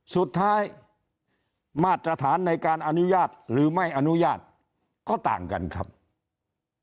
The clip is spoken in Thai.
สุดท้ายมาตรฐานในการอนุญาตหรือไม่อนุญาตก็ต่างกันครับ